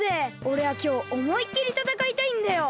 おれはきょうおもいっきりたたかいたいんだよ！